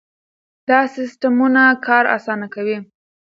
دا سیستمونه کار اسانه کوي.